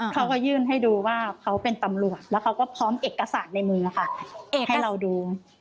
เขาก็ยื่นให้ดูว่าเขาเป็นตำรวจแล้วเขาก็พร้อมเอกสารในมือค่ะเอกให้เราดู